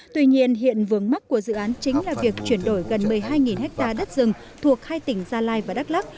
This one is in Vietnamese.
tuy nhiên hiện vướng mắt của dự án chính là việc chuyển đổi gần một mươi hai ha đất rừng thuộc hai tỉnh gia lai và đắk lắc